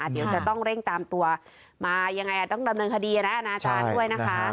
เดี๋ยวจะต้องเร่งตามตัวมายังไงต้องดำเนินคดีนะอนาจารย์ด้วยนะคะ